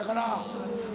そうですね。